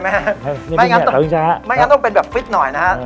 ไปเลยแม่ไม่งั้นต้องเป็นแบบฟิตหน่อยนะฮะ